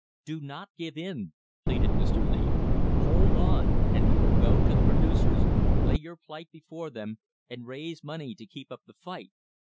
"Do not give in," pleaded Mr. Lee. "Hold on, and we will go to the producers, lay your plight before them, and raise money to keep up the fight."